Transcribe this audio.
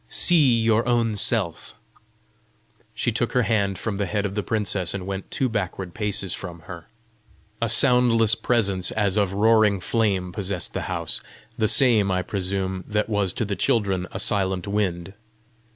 See your own self!" She took her hand from the head of the princess, and went two backward paces from her. A soundless presence as of roaring flame possessed the house the same, I presume, that was to the children a silent wind.